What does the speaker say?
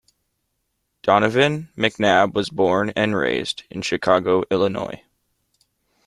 Donovan McNabb was born and raised in Chicago, Illinois.